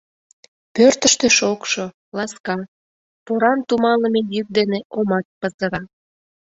Пӧртыштӧ шокшо, ласка, поран туманлыме йӱк дене омат пызыра.